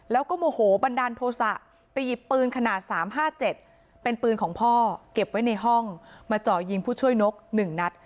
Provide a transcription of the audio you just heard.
แล้วก็โมโหบันดาลโทษะไปหยิบปืนขนาด๓๕๗เป็นปืนของพ่อเก็บไว้ในห้องมาเจาะยิงผู้ช่วยนก๑นัด